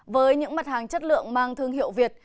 với những mặt hàng chất lượng mang thương hiệu việt